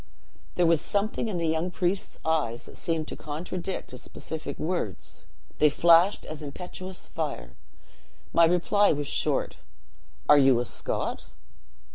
There was something in the young priest's eyes that seemed to contradict his pacific words; they flashed as impetuous fire. My reply was short: 'Are you a Scot?'